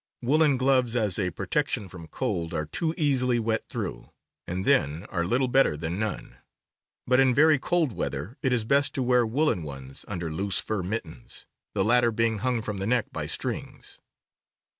Woolen gloves, as a protection from cold, are too easily wet through, and then are little better than none. But in very cold weather it is best to wear woolen ones under loose fur mittens, the latter being hung from the neck by strings.